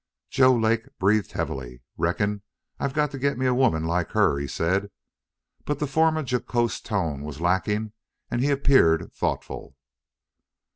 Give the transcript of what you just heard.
Joe Lake breathed heavily. "Reckon I've got to get me a woman like her," he said. But the former jocose tone was lacking and he appeared thoughtful.